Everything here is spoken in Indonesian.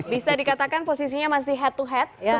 bisa dikatakan posisinya masih head to head